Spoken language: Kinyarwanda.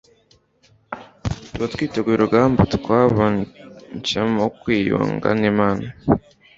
Tuba twitegeye urugamba twaboncyemo kwiyunga n'Imana.